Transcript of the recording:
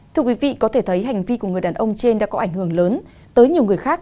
thưa quý vị có thể thấy hành vi của người đàn ông trên đã có ảnh hưởng lớn tới nhiều người khác